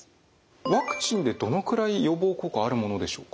ワクチンでどのくらい予防効果あるものでしょうか？